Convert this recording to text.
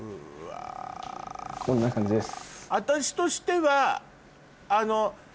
こんな感じです。